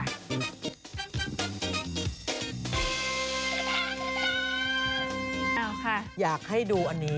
เอาค่ะอยากให้ดูอันนี้